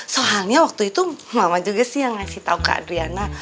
soalnya waktu itu mama juga sih yang ngasih tahu kak adriana